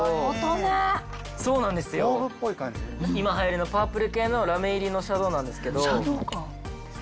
今流行りのパープル系のラメ入りのシャドーなんですけど。